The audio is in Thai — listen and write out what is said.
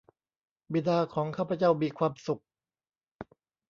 บิดาของข้าพเจ้ามีความสุข